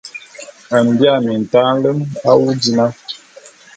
Mbia mintaé nlem awu dina!